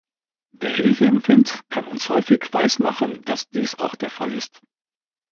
Wer Hilfe empfängt, kann uns häufig weismachen, dass dies auch der Fall ist.